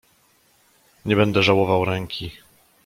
"Nie będę żałował ręki."